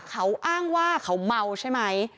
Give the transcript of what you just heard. เขาอ้างว่าเขาเมาใช่ไหม